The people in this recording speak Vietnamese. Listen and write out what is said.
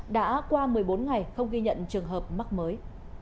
đã qua một mươi bốn ngày không ghi nhận trường hợp mắc mới